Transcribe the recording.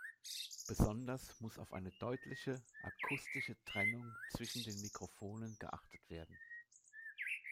Besonders muss auf eine deutliche akustische Trennung zwischen den Mikrofonen geachtet werden.